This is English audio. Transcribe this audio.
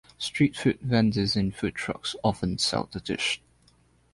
Street food vendors in food trucks often sell the dish.